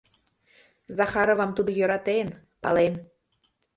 Захаровам тудо йӧратен, палем.